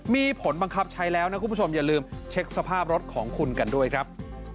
มีผลบังคับใช้แล้วนะคุณผู้ชมอย่าลืมเช็คสภาพรถของคุณกันด้วยครับ